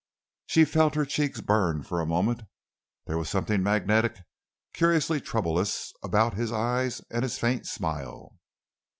She felt her cheeks burn for a moment. There was something magnetic, curiously troublous about his eyes and his faint smile.